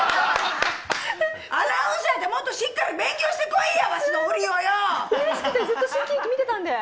アナウンサー、もっとしっかり勉強してこいよ！